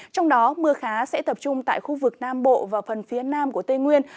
trong đó mưa khá sẽ tập trung tại khu vực nam bộ và phần phía nam của tây nguyên